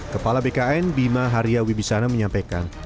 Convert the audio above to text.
kepala bkn bima haria wibisana menyampaikan